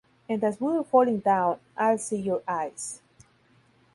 And as we´re falling down, I´ll see your eyes.